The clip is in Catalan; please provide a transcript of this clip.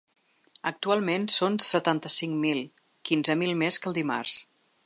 Actualment són setanta-cinc mil, quinze mil més que el dimarts.